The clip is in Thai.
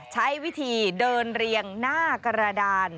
ใช้วิธีเดินเรียงหน้ากระดาน